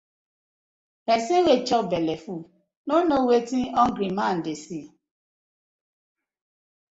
Person wey chop belle full, no know wetin hungry man dey see: